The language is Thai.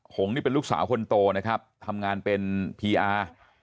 หงนี่เป็นลูกสาวคนโตนะครับทำงานเป็นพีอาร์